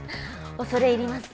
恐れ入ります